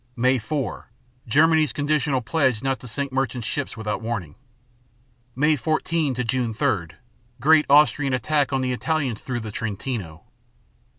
May 4 Germany's conditional pledge not to sink merchant ships without warning (page 116). May 14 Great Austrian attack on the Italians through the Trentino.